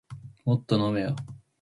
もっと飲めよ